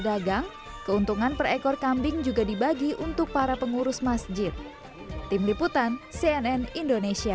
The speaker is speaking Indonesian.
dagang keuntungan per ekor kambing juga dibagi untuk para pengurus masjid tim liputan cnn indonesia